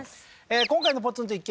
今回のポツンと一軒家